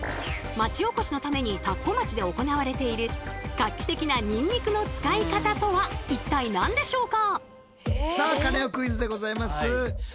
町おこしのために田子町で行われている画期的なニンニクの使い方とは一体何でしょうか？